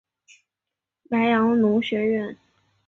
莱阳农学院。